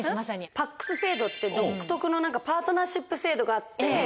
ＰＡＣＳ制度って独特のパートナーシップ制度があって。